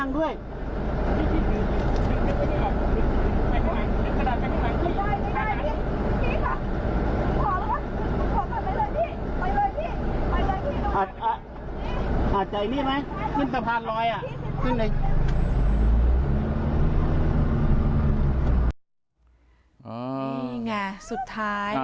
เดี๋ยว